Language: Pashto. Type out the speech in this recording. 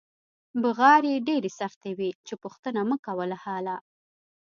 بغارې ډېرې سختې وې چې پوښتنه مکوه له حاله.